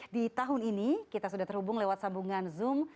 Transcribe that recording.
di tahun ini kita sudah terhubung lewat sambungan zoom